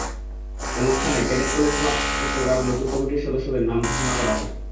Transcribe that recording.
অনুষ্ঠানে cadet college club চট্টগ্রামের নতুন কমিটির সদস্যদের নাম ঘোষণা করা হয়।